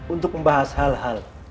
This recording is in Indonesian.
untuk membahas hal hal